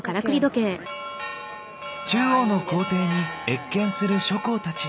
中央の皇帝に謁見する諸侯たち。